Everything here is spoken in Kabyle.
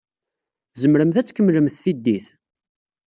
Tzemremt ad tkemmlemt tiddit?